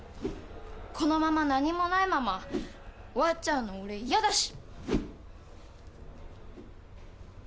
このまま何もないまま終わっちゃうの俺嫌だし。